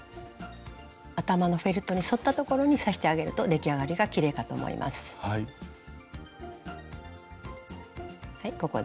頭のフェルトに沿ったところに刺してあげると出来上がりがきれいかと思います。